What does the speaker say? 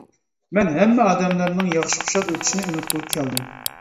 مەن ھەممە ئادەملەرنىڭ ياخشى، خۇشال ئۆتىشىنى ئۈمىد قىلىپ كەلدىم.